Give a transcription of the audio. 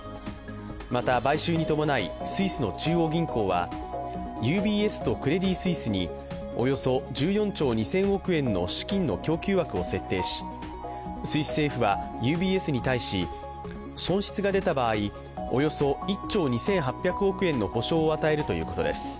また、買収に伴いスイスの中央銀行はＵＢＳとクレディ・スイスにおよそ１４兆２０００億円の資金の供給枠を設定しスイス政府はＵＢＳに対し損失が出た場合およそ１兆２８００億円の保証を与えるということです。